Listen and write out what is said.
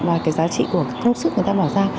và giá trị của công sức người ta bỏ ra